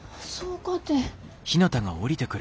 そうかて。